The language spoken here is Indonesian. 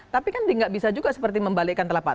tapi kan nggak bisa juga seperti membalikkan telapak